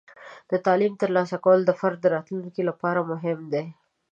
د تعلیم ترلاسه کول د فرد د راتلونکي لپاره مهم دی.